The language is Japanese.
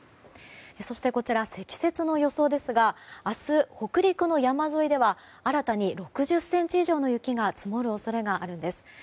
そしてこちら、積雪の予想ですが明日、北陸の山沿いでは新たに６０ｃｍ以上の雪が積もる恐れがあるんです。